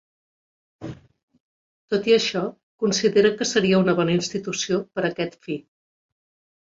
Tot i això, considera que seria una bona institució ‘per a aquest fi’.